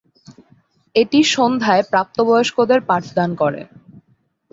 এটি সন্ধ্যায় প্রাপ্তবয়স্কদের পাঠদান করে।